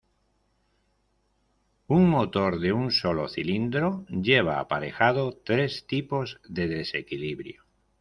Un motor de un solo cilindro lleva aparejado tres tipos de desequilibrio.